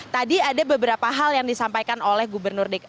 tadi ada beberapa hal yang disampaikan oleh gubernur dki jakarta